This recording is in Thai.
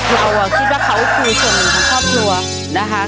เราคิดว่าเขาคือส่วนหนึ่งของครอบครัวนะคะ